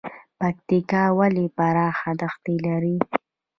پکتیکا ولې پراخه دښتې لري؟